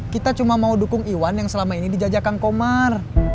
kita cuma mau dukung iwan yang selama ini dijajakan komar